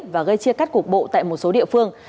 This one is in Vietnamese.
và gây chia cắt cục bộ tại một số địa phương